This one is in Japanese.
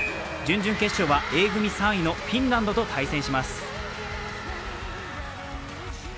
準々決勝はＡ組３位のフィンランドと対戦します。